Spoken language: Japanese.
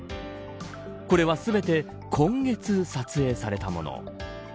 これは全て今月撮影されたもの。